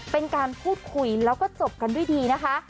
เป็นการพูดคุยแล้วก็จบกันด้วยดีนะคะ